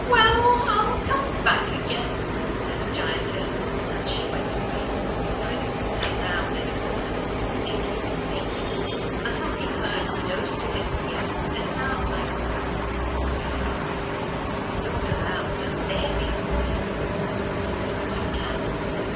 " Well, I'll come back again," said the giantess, and she went away. The prince sat down in a corner, thinking and thinking, until he heard close to his ear a sound like " purr, purr !' He looked around, and there before him was the little white cat.